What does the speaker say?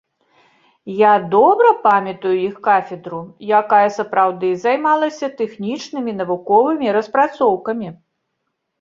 Я добра памятаю іх кафедру, якая сапраўды займалася тэхнічнымі навуковымі распрацоўкамі.